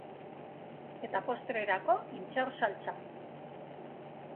Eta postrerako intxaur-saltsa.